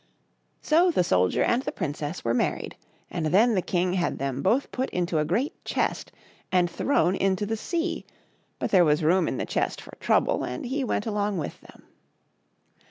So the soldier and the princess were married, and then the king had them both put into a great chest and thrown into the sea — but there was room in the chest for Trouble, and he went along with them.